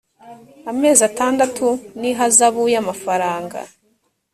amezi atandatu n ihazabu y amafaranga